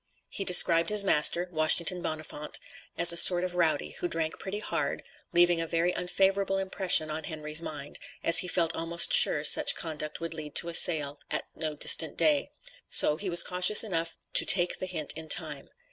He described his master (Washington Bonafont) as a sort of a rowdy, who drank pretty hard, leaving a very unfavorable impression on Henry's mind, as he felt almost sure such conduct would lead to a sale at no distant day. So he was cautious enough to "take the hint in time."